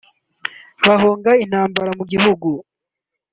bahunga intambara mu gihugu